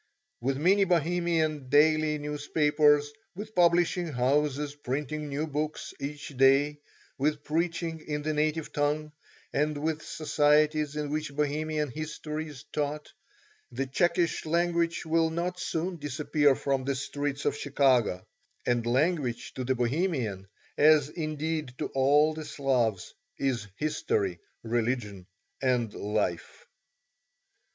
With many Bohemian daily newspapers, with publishing houses printing new books each day, with preaching in the native tongue, and with societies in which Bohemian history is taught, the Czechish language will not soon disappear from the streets of Chicago; and language to the Bohemian, as, indeed, to all the Slavs, is history, religion and life.